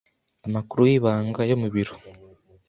Amakuru y'ibanga yo mu biro